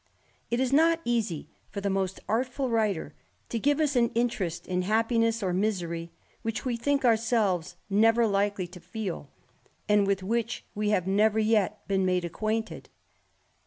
It is not easy for the most artful writer to give us an interest in happiness or misery, which we think ourselves never likely to feel, and with which we have never yet been made acquainted.